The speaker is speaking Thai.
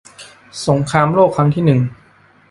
สงครามโลกครั้งที่หนึ่ง